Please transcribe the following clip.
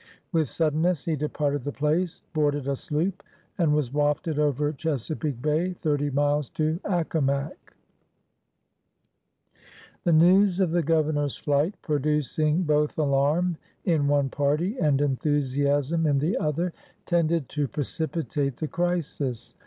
With suddenness he departed the place, boarded a sloop, and was ^* wafted over Chesapeake Bay thirty miles to Accomac." 176 PIONEERS OP THE OLD SOUTH The news of the Governor's flight, producing both alarm in one party and enthusiasm in the other, tended to precipitate the crisis.